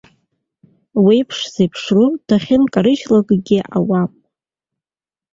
Уеиԥш зеиԥшу дахьынкарыжьлакгьы ауама!